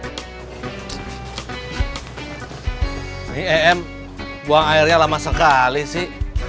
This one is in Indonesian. ini em buang airnya lama sekali sih